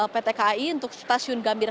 pt kai untuk stasiun gambir